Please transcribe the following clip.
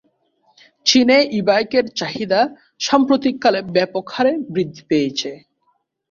চীনে ই-বাইকের চাহিদা সাম্প্রতিককালে ব্যাপকহারে বৃদ্ধি পেয়েছে।